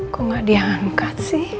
kok gak diangkat sih